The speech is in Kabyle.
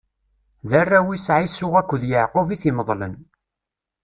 D arraw-is Ɛisu akked Yeɛqub i t-imeḍlen.